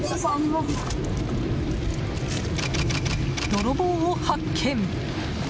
泥棒を発見！